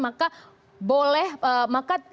maka baru boleh perbedaan